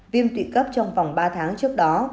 viêm tụy cấp trong vòng ba tháng trước đó